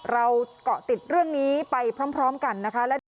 เราเกาะติดเรื่องนี้ไปพร้อมกันนะคะ